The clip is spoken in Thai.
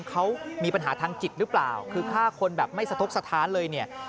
เขามีปัญหาทางจิตหรือเปล่าคือฆ่าคนแบบไม่สะทกสถานเลยเนี่ย